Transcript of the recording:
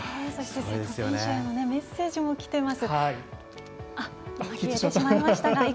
瀬戸選手へのメッセージもきています。